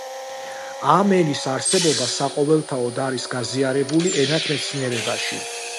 ამ ენის არსებობა საყოველთაოდ არის გაზიარებული ენათმეცნიერებაში.